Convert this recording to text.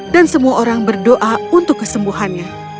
dan semua orang berdoa untuk kesembuhannya